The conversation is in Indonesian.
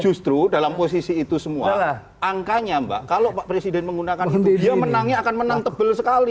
justru dalam posisi itu semua angkanya mbak kalau pak presiden menggunakan itu dia menangnya akan menang tebel sekali